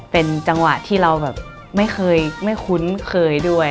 เป็นจังหวะที่เราไม่คุ้นเคยด้วย